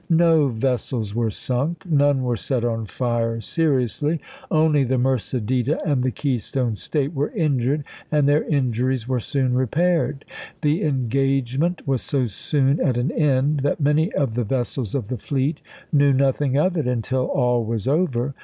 No vessels were sunk, none were set on fire seriously; only the Mercedita and the Keystone State were injured, and their injuries were soon repaired. The engage ment was so soon at an end that many of the ves sels of the fleet knew nothing of it until all was over.